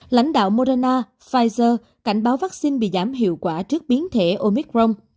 lãnh đạo moderna pfizer cảnh báo vaccine bị giảm hiệu quả trước biến thể omicron